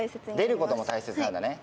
出ることも大切なんだね。